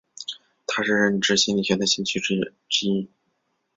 他是认知心理学的先驱者之一。